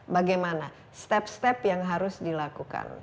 bagaimana step step yang harus dilakukan